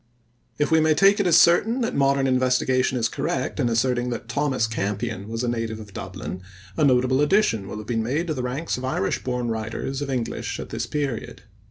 If we may take it as certain that modern investigation is correct in asserting that Thomas Campion was a native of Dublin, a notable addition will have been made to the ranks of Irish born writers of English at this period.